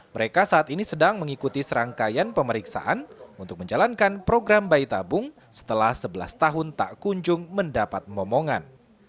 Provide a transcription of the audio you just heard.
mereka saat ini sedang mengikuti serangkaian pemeriksaan untuk menjalankan program bayi tabung setelah sebelas tahun tak kunjung mendapat momongan